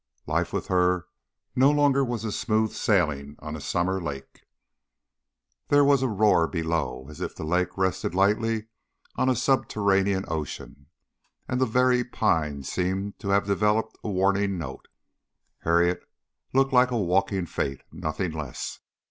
Life with her no longer was a smooth sailing on a summer lake. There was a roar below, as if the lake rested lightly on a subterranean ocean; and the very pines seemed to have developed a warning note. Harriet looked like a walking Fate, nothing less.